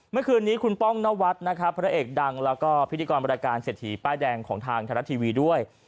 เมื่อคืนนี้คุณป้องนวัดนะครับพระเอกดังแล้วก็พิธีกรรายการเศรษฐีป้ายแดงของทางไทยรัฐทีวีด้วย